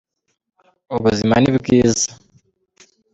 Ubuzima ni bwiza.